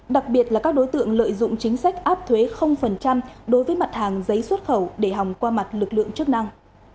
đặc biệt là các đối tượng lợi dụng chính sách áp thuế đối với mặt hàng giấy xuất khẩu để hòng qua mặt lực lượng chức năng